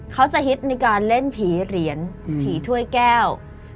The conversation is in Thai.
เขาจะฮิตในการเล่นผีเหรียญผีถ้วยแก้ว